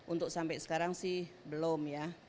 untuk sampai sekarang sih belum ya